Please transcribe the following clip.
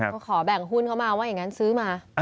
ก็ขอแบ่งหุ้นเข้ามาว่าอย่างนั้นซื้อมา